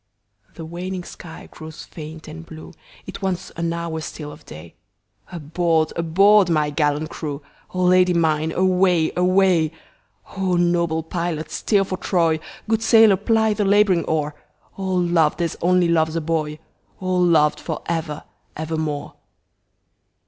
The waning sky grows faint and blue, It wants an hour still of day, Aboard! aboard! my gallant crew,O Lady mine away! away!O noble pilot steer for Troy, Good sailor ply the labouring oar,O loved as only loves a boy!O loved for ever evermore!